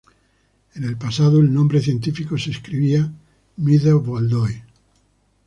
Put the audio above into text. En el pasado el nombre científico se escribía "meade-waldoi".